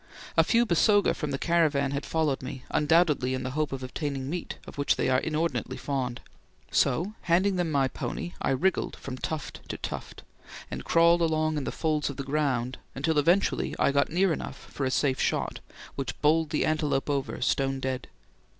A few Basoga from the caravan had followed me, doubtless in the hope of obtaining meat, of which they are inordinately fond; so, handing them my pony, I wriggled from tuft to tuft and crawled along in the folds of the ground until eventually I got near enough for a safe shot, which bowled the antelope over stone dead.